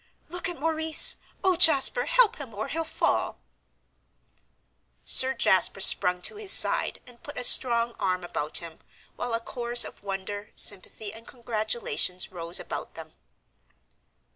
"Look at Maurice! Oh, Jasper, help him or he'll fall!" Sir Jasper sprung to his side and put a strong arm about him, while a chorus of wonder, sympathy, and congratulations rose about them.